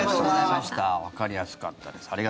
わかりやすかったです。